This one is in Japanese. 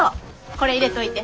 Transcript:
これ入れといて。